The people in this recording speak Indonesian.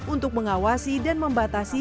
untuk mengawasi dan membatasi